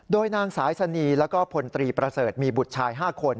โดยนางสายสนีแล้วก็พลตรีประเสริฐมีบุตรชาย๕คน